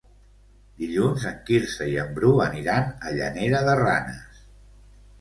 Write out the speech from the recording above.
Dilluns en Quirze i en Bru aniran a Llanera de Ranes.